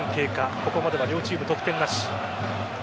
ここまで両チーム得点なし。